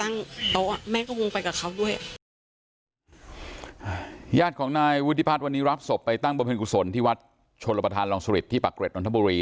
อาหารยาดของนายวุฒิพัฒน์วันนี้รับศพไปตั้งบสพฤทธิ์กุศลที่วัชโชนรพทานรองสฤษที่ปรักต์เกร็ดนอนทบุรี